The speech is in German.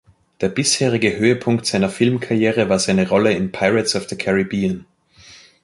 Der bisherige Höhepunkt seiner Filmkarriere war seine Rolle in "Pirates of the Caribbean".